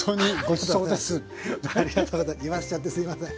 いわしちゃってすいません。